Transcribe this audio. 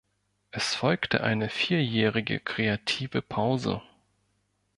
Es folgte eine vierjährige, kreative Pause.